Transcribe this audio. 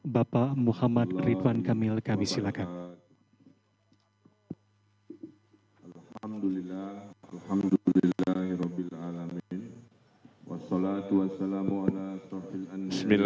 bapak muhammad ridwan kamil kami silakan